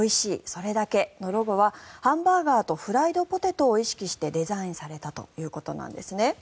それだけ」のロゴはハンバーガーとフライドポテトを意識してデザインされたということなんですね。